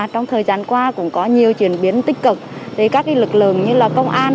trong thời gian qua cũng có nhiều chuyển biến tích cực để các lực lượng như công an